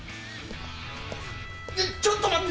ちょっと待って！